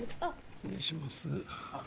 失礼します。